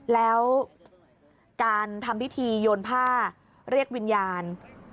แล้วการทำพิธีโยนผ้าเรียกวิญญาณ